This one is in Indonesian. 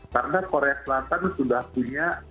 karena korea selatan sudah punya